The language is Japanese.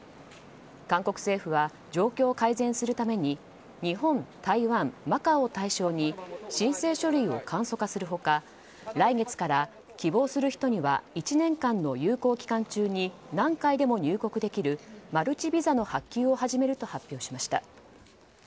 韓国政府は状況を改善するために日本、台湾、マカオを対象に申請書類を簡素化する他来月から希望する人には１年間の有効期間中に何回でも入国できるマルチビザの発給を始めると発表しました。